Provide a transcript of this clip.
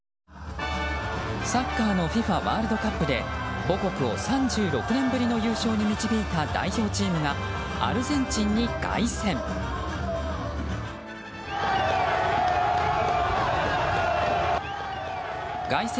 サッカーのＦＩＦＡワールドカップで母国を３６年ぶりの優勝に導いた代表チームがアルゼンチンに凱旋。